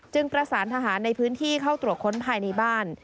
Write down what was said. ประสานทหารในพื้นที่เข้าตรวจค้นภายในบ้าน